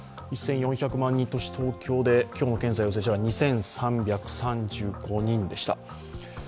１４００万人都市の東京で今日の感染者が２３３５人でした。